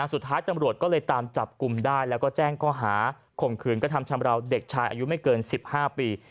สุดท้ายตำรวจก็เลยตามจับกลุ่มได้แล้วก็แจ้งข้อหาข่มขืนกระทำชำราวเด็กชายอายุไม่เกิน๑๕ปี